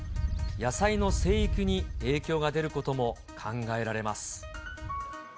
野菜の生育に影響が出ることも考えられます。